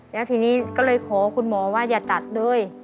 แล้วทีนี้ก็เลยขอคุณหมอว่าอย่าตัดเลย